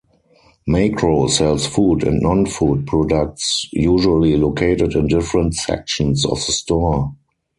Makro sells food and non-food products, usually located in different sections of the store.